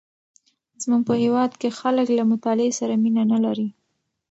زمونږ په هیواد کې خلک له مطالعې سره مینه نه لري.